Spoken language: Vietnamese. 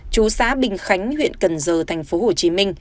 trú xã bình khánh huyện cần giờ tp hcm